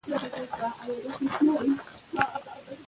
طبیعت د ژوند د دوام لپاره مهم دی